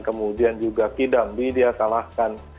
kemudian juga kidambi dia salahkan